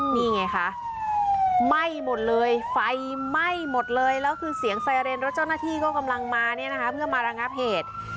นี่ไงคะไหม้หมดเลยไฟไหม้หมดเลยแล้วคือเสียงไซเรนรถเจ้าหน้าที่ก็กำลังมาเนี่ยนะคะเพื่อมาระงับเหตุ